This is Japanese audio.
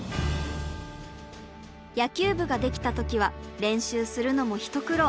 野球部ができた時は練習するのも一苦労。